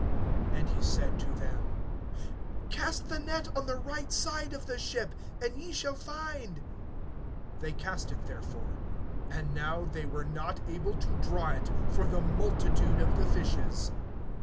(6)And he said to them: Cast the net on the right side of the ship, and ye shall find. They cast it therefore; and now they were not able to draw it, for the multitude of the fishes.